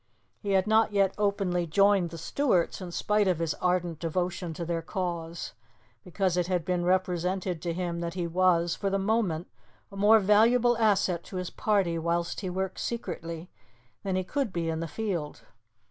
He had not yet openly joined the Stuarts, in spite of his ardent devotion to their cause, because it had been represented to him that he was, for the moment, a more valuable asset to his party whilst he worked secretly than he could be in the field.